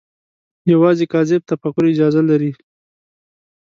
یوازې کاذب تفکر اجازه لري